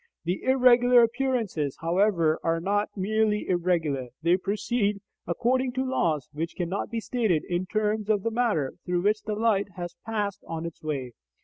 The irregular appearances, however, are not merely irregular: they proceed according to laws which can be stated in terms of the matter through which the light has passed on its way.